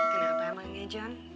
kenapa emangnya jun